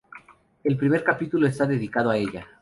El primer capítulo está dedicado a ella.